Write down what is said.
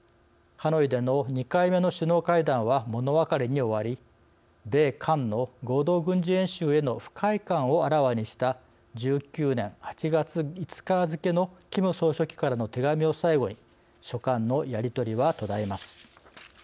ハノイでの２回目の首脳会談は物別れに終わり米韓の合同軍事演習への不快感をあらわにした１９年８月５日付のキム総書記からの手紙を最後に書簡のやりとりは途絶えます。